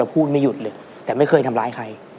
พูดไม่หยุดเลยแต่ไม่เคยทำร้ายใคร